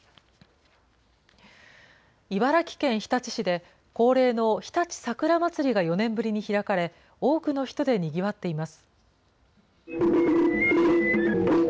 茨城県日立市で、恒例の日立さくらまつりが４年ぶりに開かれ、多くの人でにぎわっています。